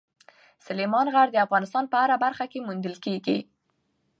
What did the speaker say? سلیمان غر د افغانستان په هره برخه کې موندل کېږي.